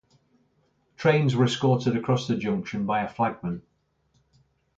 Trains were escorted across the junction by a flagman.